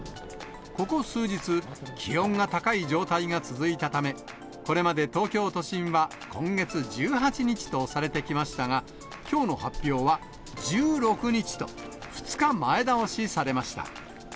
ここ数日、気温が高い状態が続いたため、これまで東京都心は今月１８日とされてきましたが、きょうの発表は１６日と、２日前倒しされました。